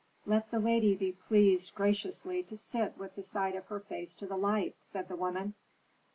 "Let the lady be pleased graciously to sit with the side of her face to the light," said the woman.